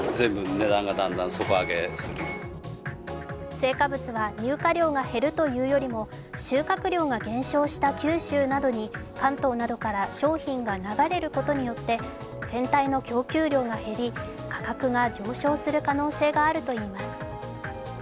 青果物は入荷量が減るというよりも収穫量が減少した九州などに関東などから商品が流れることによって全体の供給量が減り、価格が上昇する可能性があるといいます。